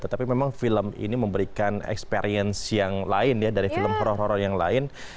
tetapi memang film ini memberikan experience yang lain ya dari film horor horor yang lain